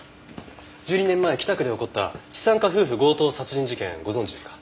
１２年前北区で起こった資産家夫婦強盗殺人事件ご存じですか？